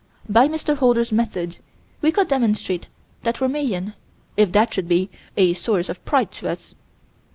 By Mr. Holder's method we could demonstrate that we're Mayan if that should be a source of pride to us.